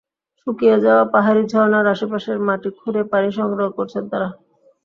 শুকিয়ে যাওয়া পাহাড়ি ঝরনার আশপাশের মাটি খুঁড়ে পানি সংগ্রহ করছেন তাঁরা।